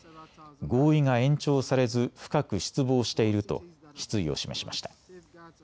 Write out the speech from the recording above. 合意が延長されず深く失望していると失意を示しました。